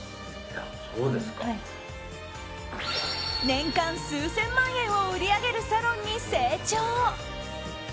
年間数千万円を売り上げるサロンに成長。